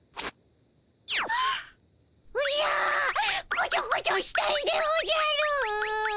こちょこちょしたいでおじゃる。